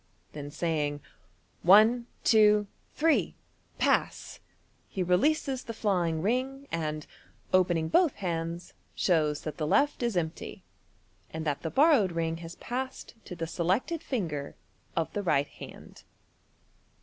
Then saying, " One, two, three ! Pass !" he releases the flying ring, and, opening both hands, shows that the left is empty, and that the borrowed ring has passed to the selected finger of the right hand.